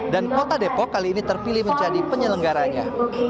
dan kota depok kali ini terpilih menjadi penyelenggaranya